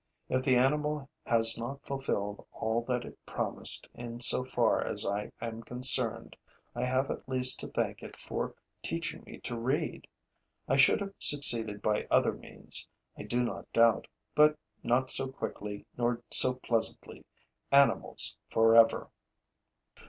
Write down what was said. If the animal has not fulfilled all that it promised in so far as I am concerned, I have at least to thank it for teaching me to read. I should have succeeded by other means, I do not doubt, but not so quickly nor so pleasantly. Animals forever!